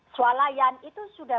swalayan itu sudah